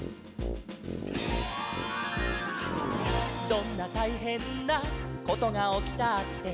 「どんなたいへんなことがおきたって」